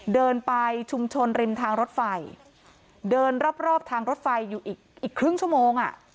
เดินไปชุมชนริมทางรถไฟเดินรอบรอบทางรถไฟอยู่อีกอีกครึ่งชั่วโมงอ่ะ